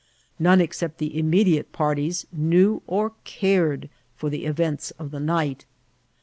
None except the immediate parties knew or cared for the events of the night.